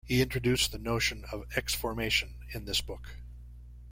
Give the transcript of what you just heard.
He introduced the notion of exformation in this book.